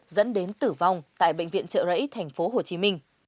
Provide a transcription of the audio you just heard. dẫn đến tử vong tại bệnh viện trợ rẫy thành phố hồ chí minh